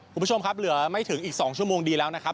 คุณผู้ชมครับเหลือไม่ถึงอีก๒ชั่วโมงดีแล้วนะครับ